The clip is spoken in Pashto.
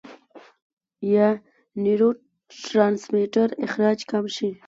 يا نيوروټرانسميټر اخراج کم شي -